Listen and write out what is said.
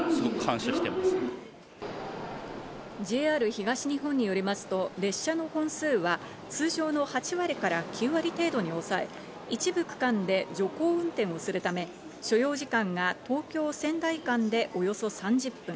ＪＲ東日本によりますと列車の本数は通常の８割から９割程度に抑え、一部区間で徐行運転をするため所要時間が東京−仙台間でおよそ３０分。